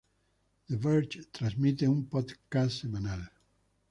The Verge transmite un podcast semanal.